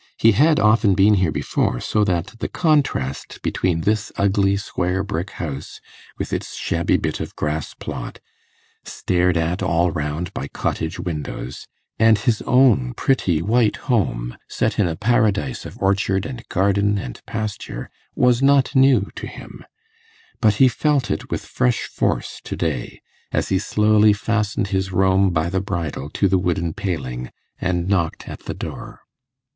He had often been here before, so that the contrast between this ugly square brick house, with its shabby bit of grass plot, stared at all round by cottage windows, and his own pretty white home, set in a paradise of orchard and garden and pasture was not new to him; but he felt it with fresh force to day, as he slowly fastened his roan by the bridle to the wooden paling, and knocked at the door.